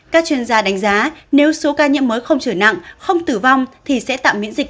các chuyên gia đánh giá nếu số ca nhiễm mới không trở nặng không tử vong thì sẽ tạm miễn dịch